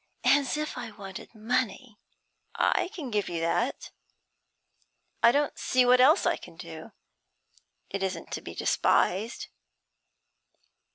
'As if I wanted money!' 'I can give you that. I don't see what else I can do. It isn't to be despised.'